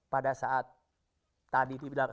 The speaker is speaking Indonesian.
pada saat tadi dibilang